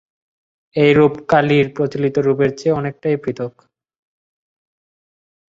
এই রূপ কালীর প্রচলিত রূপের চেয়ে অনেকটাই পৃথক।